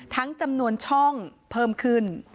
จำนวนช่องเพิ่มขึ้น